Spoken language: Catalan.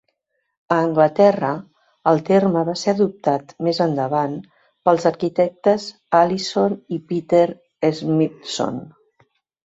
A Anglaterra, el terme va ser adoptat més endavant pels arquitectes Alison i Peter Smithson.